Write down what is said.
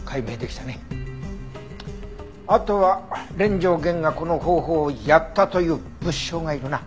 あとは連城源がこの方法をやったという物証がいるな。